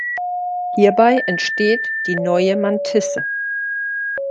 Hierbei entsteht die neue Mantisse.